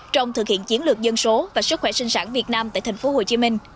trong thực hiện chiến lược dân số và sức khỏe sinh sản việt nam tại tp hcm